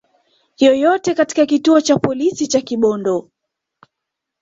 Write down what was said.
yoyote katika kituo cha polisi cha Kibondo